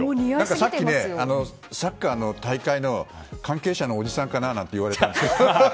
さっきね、サッカーの大会の関係者のおじさんかななんて言われたんですけど。